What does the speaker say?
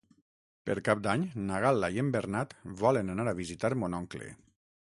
Per Cap d'Any na Gal·la i en Bernat volen anar a visitar mon oncle.